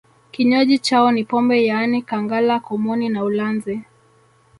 Kinywaji chao ni pombe yaani kangala komoni na ulanzi